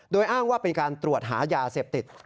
โดยอ้างว่าเป็นการตรวจหายาเสพติด